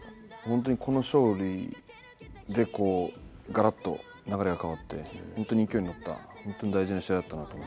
本当にこの勝利でガラッと流れが変わって本当に勢いに乗った本当に大事な試合だったなと思います。